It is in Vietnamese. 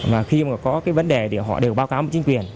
và khi mà có cái vấn đề thì họ đều báo cáo chính quyền